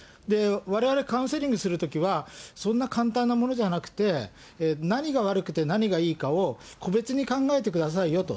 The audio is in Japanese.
われわれ、カウンセリングするときは、そんな簡単なものじゃなくて、何が悪くて何がいいかを個別に考えてくださいよと。